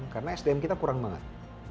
karena sdm kita kurang banget